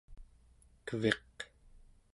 keviq